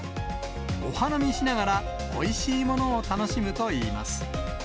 お花見しながらおいしいものを楽しむといいます。